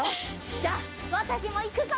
じゃあわたしもいくぞ！